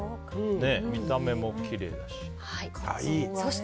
見た目もきれいだし。